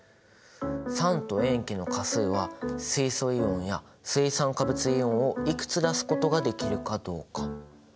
酸と塩基の価数は水素イオンや水酸化物イオンをいくつ出すことができるかどうか。